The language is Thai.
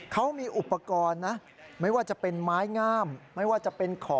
เขามีอุปกรณ์นะไม่ว่าจะเป็นไม้งามไม่ว่าจะเป็นขอ